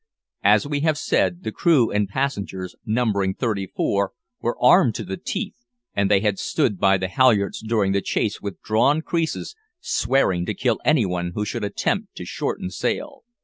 As we have said, the crew and passengers, numbering thirty four, were armed to the teeth, and they had stood by the halyards during the chase with drawn creases, swearing to kill any one who should attempt to shorten sail.